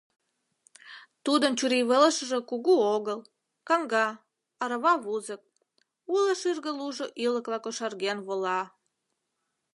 Тудын чурийвылышыже кугу огыл, каҥга, арава вузык, уло шӱргӧ лужо ӱлыкла кошарген вола;